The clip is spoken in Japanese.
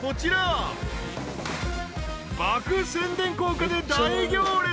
［爆宣伝効果で大行列］